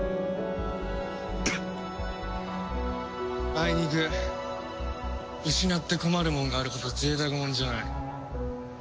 あいにく失って困るもんがあるほど贅沢者じゃない。